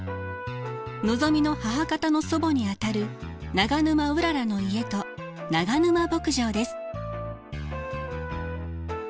のぞみの母方の祖母にあたる長沼うららの家と長沼牧場です。